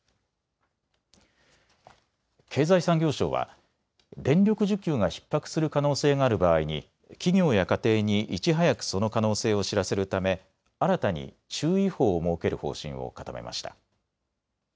経済産業省は電力需給がひっ迫する可能性がある場合に企業や家庭にいち早くその可能性を知らせるため新たに注意報を設ける方針を固めました。